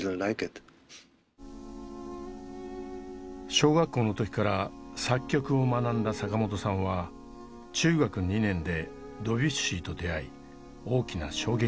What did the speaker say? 小学校の時から作曲を学んだ坂本さんは中学２年でドビュッシーと出会い大きな衝撃を受けました。